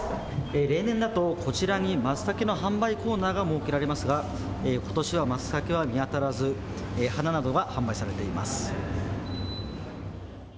例年だとこちらにまつたけの販売コーナーが設けられますが、ことしはまつたけは見当たらず、花などが販売されています。